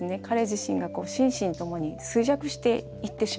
彼自身が心身ともに衰弱していってしまって。